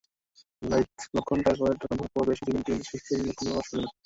লক্ষণটাইফয়েড আক্রান্ত হওয়ার পরও বেশ কিছুদিন পর্যন্ত স্পষ্ট কোনো লক্ষণ প্রকাশ পায় না।